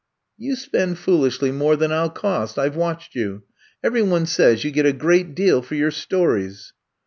*' You spend foolishly more than I '11 cost — ^I Ve watched you. Every one says you get a great deal for your stories."